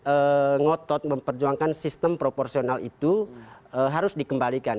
ketua pdp harus ngotot memperjuangkan sistem proporsional itu harus dikembalikan